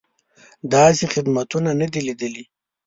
داسې خدمتونه نه دي لیدلي.